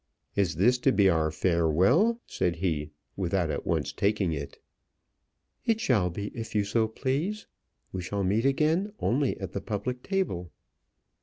"Is this to be our farewell?" said he, without at once taking it. "It shall be if you so please. We shall meet again only at the public table."